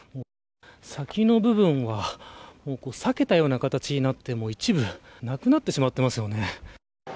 先の部分は裂けたような形になって、一部なくなってしまっていますよね。